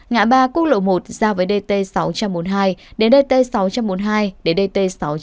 ngã ba quốc lộ một giao với dt sáu trăm bốn mươi hai đến dt sáu trăm bốn mươi hai đến dt sáu trăm chín mươi